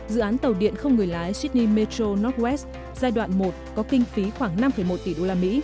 dự án tàu điện không người lái sydney metro north west giai đoạn một có kinh phí khoảng năm một tỷ usd